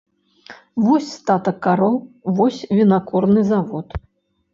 Вось статак кароў, вось вінакурны завод.